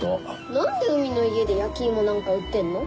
何で海の家で焼き芋なんか売ってんの？